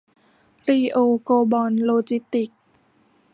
ลีโอ โกลบอล โลจิสติกส์